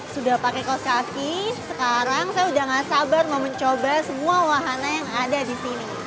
sudah pakai kaos kaki sekarang saya udah gak sabar mau mencoba semua wahana yang ada di sini